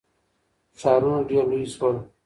ښارونه ډیر لوی سول.